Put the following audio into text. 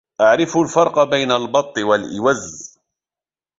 أعرف الفرق بين البط والإوز.